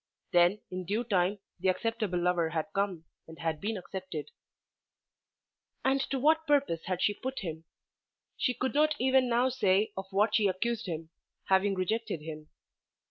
Then in due time the acceptable lover had come, and had been accepted. And to what purpose had she put him? She could not even now say of what she accused him, having rejected him.